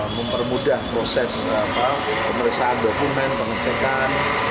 mempermudah proses pemeriksaan dokumen pengecekan